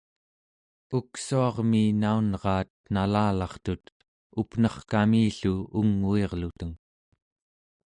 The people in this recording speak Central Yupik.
uksuarmi naunraat nalalartut up'nerkami-llu unguirluteng